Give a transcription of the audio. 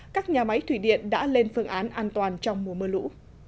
các nhà máy thủy điện đã lên phương án an toàn trong mùa mưa lũ